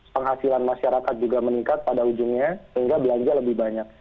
penghasilan masyarakat juga meningkat pada ujungnya sehingga belanja lebih banyak